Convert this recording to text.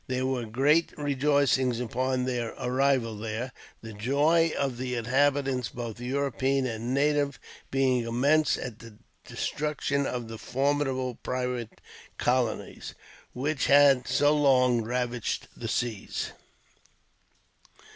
There were great rejoicings upon their arrival there; the joy of the inhabitants, both European and native, being immense at the destruction of the formidable pirate colonies, which had so long ravaged the seas.